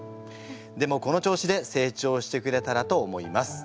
でもこの調子で成長してくれたらと思います。